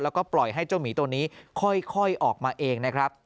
แล้วก็ปล่อยให้เจ้าหมีตัวนี้ค่อยออกมาเองนะครับ